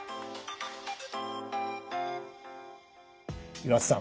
岩田さん